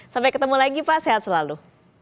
sampai ketemu lagi pak sehat selalu